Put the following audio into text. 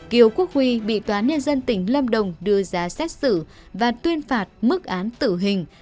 kiều quốc huy bị toán nhân dân tỉnh lâm đồng đưa ra xét xử và tuyên phạt mức án tử hình